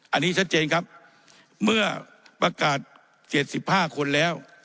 อันนี้ชัดเจนครับเมื่อประกาศ๗๕คนแล้ว